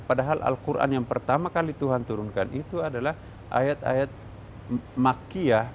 padahal al quran yang pertama kali tuhan turunkan itu adalah ayat ayat makiyah